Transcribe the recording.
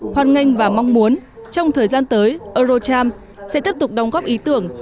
hoan nghênh và mong muốn trong thời gian tới eurocharm sẽ tiếp tục đóng góp ý tưởng